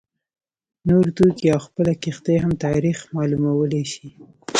نور توکي او خپله کښتۍ هم تاریخ معلومولای شي